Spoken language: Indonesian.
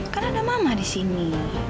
kan ada mama di sini